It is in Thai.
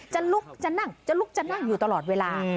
จะลุกจะนั่งจะลุกจะนั่งอยู่ตลอดเวลา